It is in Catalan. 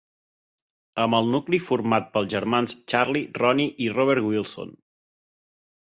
Amb el nucli format pels germans Charlie, Ronnie i Robert Wilson.